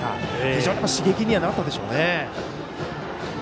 非常に刺激にはなったでしょうね。